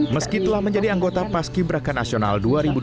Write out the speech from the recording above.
meskipun telah menjadi anggota pas ki braka nasional dua ribu dua puluh satu